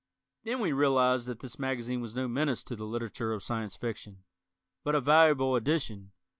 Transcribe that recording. Then we realized that this magazine was no menace to the literature of Science Fiction, but a valuable addition.